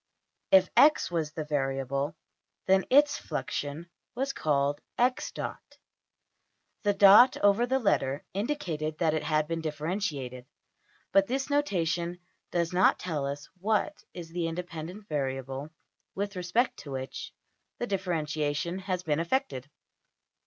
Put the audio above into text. If $x$ was the variable, then its fluxion was called~$\dot{x}$. The dot over the letter indicated that it had been differentiated. But this notation does not tell us what is the independent variable with respect to which the differentiation has been effected.